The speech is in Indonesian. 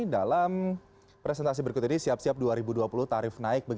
dalam presentasi berikut ini siap siap dua ribu dua puluh tarif naik